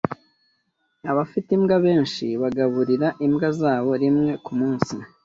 Abafite imbwa benshi bagaburira imbwa zabo rimwe kumunsi.